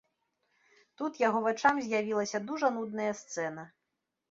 Тут яго вачам з'явілася дужа нудная сцэна.